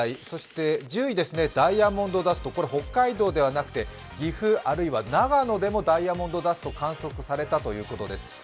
そして１０位、ダイヤモンドダスト、これは北海道ではなくて、岐阜あるいは長野でもダイヤモンドダスト、観測されたということです。